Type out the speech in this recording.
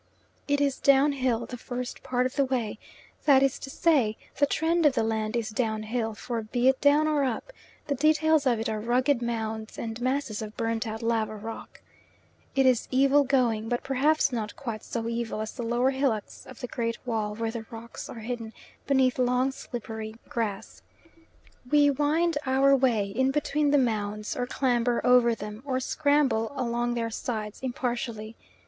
It is downhill the first part of the way, that is to say, the trend of the land is downhill, for be it down or up, the details of it are rugged mounds and masses of burnt out lava rock. It is evil going, but perhaps not quite so evil as the lower hillocks of the great wall where the rocks are hidden beneath long slippery grass. We wind our way in between the mounds, or clamber over them, or scramble along their sides impartially.